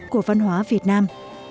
đặc sắc của văn hóa việt nam